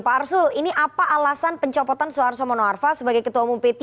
pak arsul ini apa alasan pencopotan suharto mono arfa sebagai ketua umum p tiga